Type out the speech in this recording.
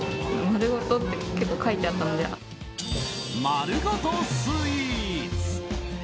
丸ごとスイーツ！